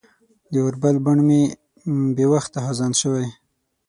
د اوربل بڼ مې بې وخته خزان شوی